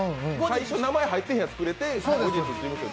最初名前入ってへんやつくれて後日。